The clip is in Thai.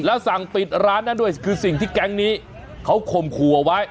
แล้วสั่งปิดร้านนั้นด้วยคือสิ่งที่แก๊งนี้เขาข่มขู่เอาไว้